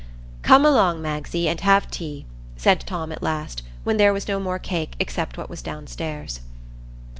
"Come along, Magsie, and have tea," said Tom at last, when there was no more cake except what was down stairs.